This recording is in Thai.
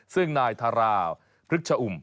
ซึ่งนายทาราวพฤกษอุ่ม